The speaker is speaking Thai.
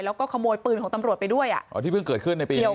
แล้วก็ขโมยปืนของตำรวจไปด้วยที่เพิ่งเกิดขึ้นในปีนี้